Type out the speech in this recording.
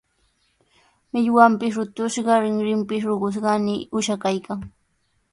Millwanpis rutushqa, rinrinpis ruqushqami uusha kaykan.